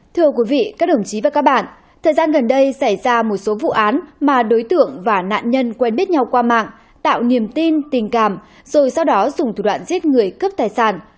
thưa quý vị các đồng chí và các bạn thời gian gần đây xảy ra một số vụ án mà đối tượng và nạn nhân quen biết nhau qua mạng tạo niềm tin tình cảm rồi sau đó dùng thủ đoạn giết người cướp tài sản